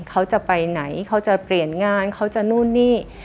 เขาจะไปไหนเขาจะเปลี่ยนงานเขาจะนู่นนี่